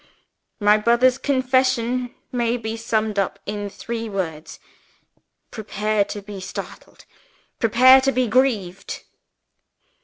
My brother's confession may be summed up in three words. Prepare yourself to be startled; prepare yourself to be grieved.